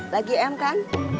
lagi m kan